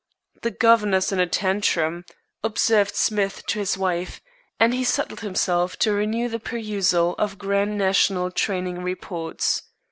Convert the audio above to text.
"The guv'nor's in a tantrum," observed Smith to his wife, and he settled himself to renew the perusal of Grand National training reports.